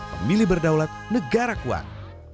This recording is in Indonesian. pemilih berdaulat negara kuat